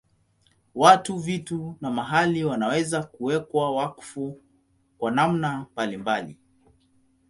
Watu, vitu na mahali wanaweza kuwekwa wakfu kwa namna mbalimbali.